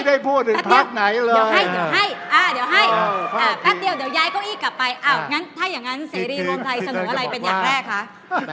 ถ้าอย่างนั้นซีรีส์โมงไทยสนุนอะไรเป็นอย่างแรกคะ